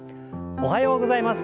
おはようございます。